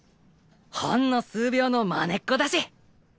ほんの数秒のまねっこだし。